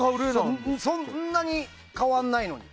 そんなに変わんないのに。